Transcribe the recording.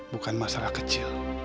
bukan masalah kecil